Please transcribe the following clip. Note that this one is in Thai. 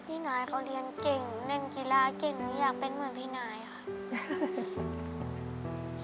พี่นายเขาเรียนเก่งเล่นกีฬาเก่งหนูอยากเป็นเหมือนพี่นายค่ะ